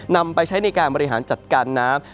นำไปใช้ในการบริหารจัดการน้ำ